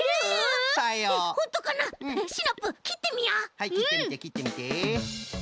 はいきってみてきってみて。